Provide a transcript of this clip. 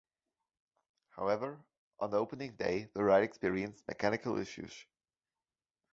However, on opening day, the ride experienced mechanical issues.